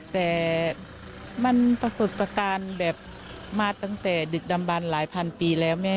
แต่มันประสบการณ์แบบมาตั้งแต่ดึกดำบันหลายพันปีแล้วแม่